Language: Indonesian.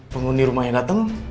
penghuni rumahnya dateng